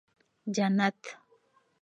جنت